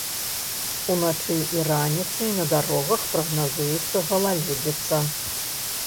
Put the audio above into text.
Уначы і раніцай на дарогах прагназуецца галалёдзіца.